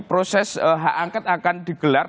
proses hak angket akan digelar